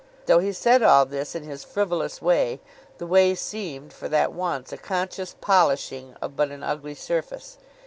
Though he said all this in his frivolous way, the way seemed, for that once, a conscious polishing of but an ugly surface.